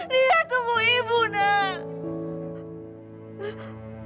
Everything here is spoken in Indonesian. lia tunggu ibu nak